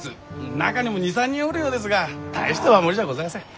中にも２３人おるようですが大した守りじゃごぜえません。